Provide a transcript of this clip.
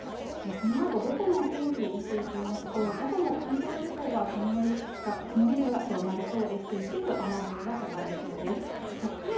このあと午後のお天気見ていきますと午後も関東地方は曇り空となりそうでして一部雨雲がかかりそうです